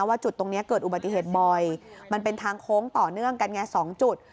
จุดตรงนี้เกิดอุบัติเหตุบ่อยมันเป็นทางโค้งต่อเนื่องกันไง๒จุด